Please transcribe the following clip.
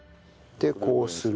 でこうする。